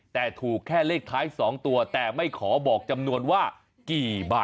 แต่ถูกแค่เลขท้าย๒ตัวแต่ไม่ขอบอกจำนวนว่ากี่บาท